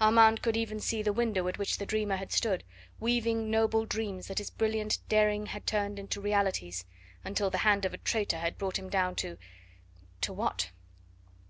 Armand could even see the window at which the dreamer had stood, weaving noble dreams that his brilliant daring had turned into realities, until the hand of a traitor had brought him down to to what?